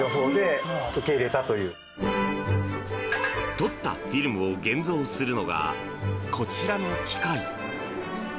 撮ったフィルムを現像するのはこちらの機械。